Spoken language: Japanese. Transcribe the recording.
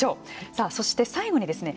さあそして最後にですね